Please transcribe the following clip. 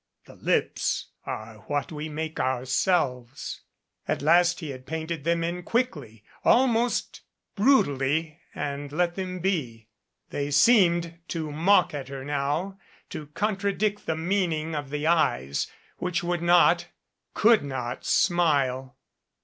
"The lips are what we make ourselves." At last he had painted them in quickly almost brutally and let them be. They seemed to mock at her now to contradict the meaning of the eyes which would not, could not, smile.